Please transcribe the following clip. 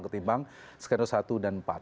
ketimbang skenario satu dan empat